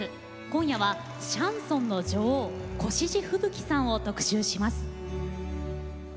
今夜はシャンソンの女王越路吹雪さんを特集します。